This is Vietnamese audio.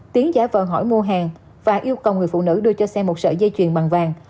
tiến giả vờ hỏi mua hàng và yêu cầu người phụ nữ đưa cho xe một sợi dây chuyền bằng vàng